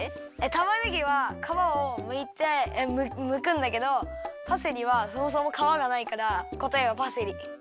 たまねぎはかわをむいてむくんだけどパセリはそもそもかわがないからこたえはパセリ。